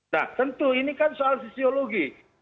nah tentu ini kan soal sisiologi